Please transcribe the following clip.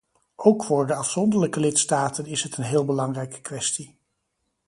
Ook voor de afzonderlijke lidstaten is het een heel belangrijke kwestie.